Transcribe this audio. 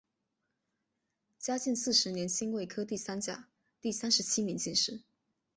嘉靖四十年辛未科第三甲第三十七名进士。